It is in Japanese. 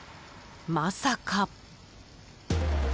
まさか。